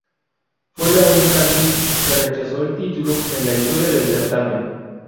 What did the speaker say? Fue la única Miss que rechazó el título en la historia del certamen.